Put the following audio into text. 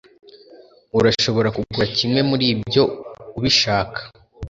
Urashobora kugura kimwe muribyo ubishaka